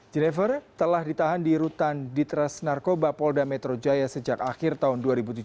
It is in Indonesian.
jennifer telah ditahan di rutan ditres narkoba polda metro jaya sejak akhir tahun dua ribu tujuh belas